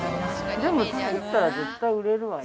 ◆でも作ったら絶対売れるわよ。